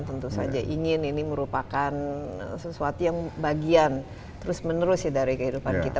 tentu saja ingin ini merupakan sesuatu yang bagian terus menerus ya dari kehidupan kita